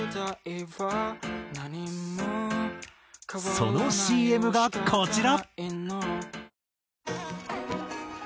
そのＣＭがこちら。